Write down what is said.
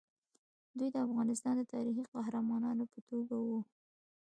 دوی د افغانستان د تاریخي قهرمانانو په توګه وو.